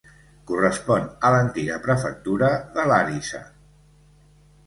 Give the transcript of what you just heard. Correspon a l'antiga prefectura de Làrissa.